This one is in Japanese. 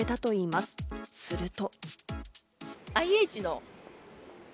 すると。